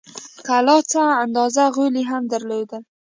کلا څه اندازه غولی هم درلود.